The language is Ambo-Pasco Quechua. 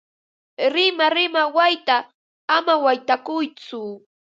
Rimarima wayta ama waytakuytsu.